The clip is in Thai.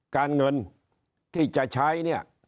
การเงินที่จะใช้เนี่ย